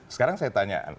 sekarang saya tanya